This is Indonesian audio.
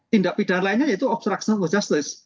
tindak pindahan lainnya itu obstruction of justice